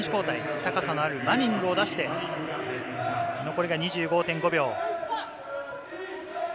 高さのあるマニングを出して残りが２５．５秒。